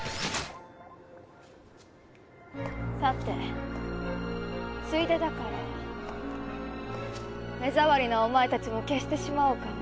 さてついでだから目障りなお前たちも消してしまおうかね。